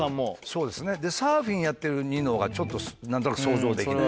そうですねでサーフィンやってるニノがちょっと何となく想像できない。